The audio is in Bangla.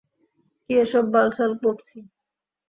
কি এসব বালছাল বকছি?